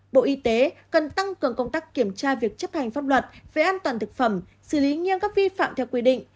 bộ y tế cần tăng cường công tác kiểm tra việc chấp hành pháp luật về an toàn thực phẩm xử lý nghiêm các vi phạm theo quy định